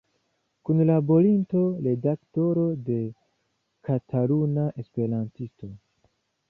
Kunlaborinto, redaktoro de "Kataluna Esperantisto".